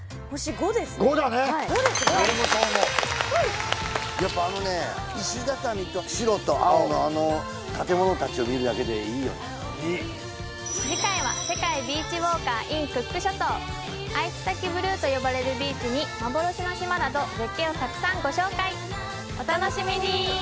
５です５俺もそう思うやっぱあのね石畳と白と青のあの建物達を見るだけでいいよ次回は世界ビーチウォーカーｉｎクック諸島アイツタキブルーと呼ばれるビーチに幻の島など絶景をたくさんご紹介お楽しみに！